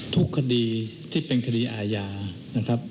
ทุกคดีที่เป็นคดีอาญานะครับ